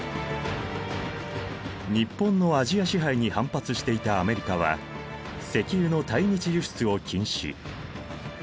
日本のアジア支配に反発していたアメリカは石油の対日輸出を禁止。